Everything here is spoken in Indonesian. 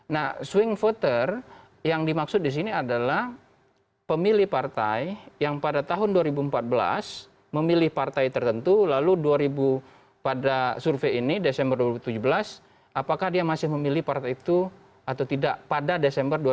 nah swing voter yang dimaksud di sini adalah pemilih partai yang pada tahun dua ribu empat belas memilih partai tertentu lalu pada survei ini desember dua ribu tujuh belas apakah dia masih memilih partai itu atau tidak pada desember dua ribu tujuh belas